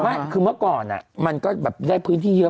ไม่คือเมื่อก่อนมันก็แบบได้พื้นที่เยอะ